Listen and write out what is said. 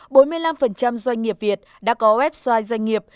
bốn mươi năm doanh nghiệp việt đã có website doanh nghiệp